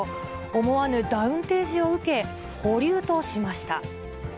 思わぬダウン提示を受け、保留としました。